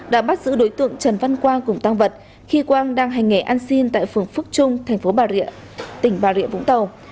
đã bắt giữ đối tượng trần văn quang cùng tăng vật khi quang đang hành nghề ăn xin tại phường phước trung thành phố bà rịa tỉnh bà rịa vũng tàu